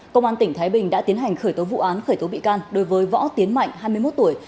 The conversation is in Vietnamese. công an tỉnh thái bình đã tiến hành khởi tố vụ án khởi tố bị can đối với võ tiến mạnh hai mươi một tuổi